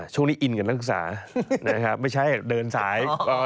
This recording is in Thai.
ช่วงนี้อินกันทักษาไม่ใช่เดินสาย